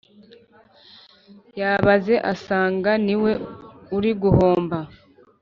yabaze asanga niwe uri guhomba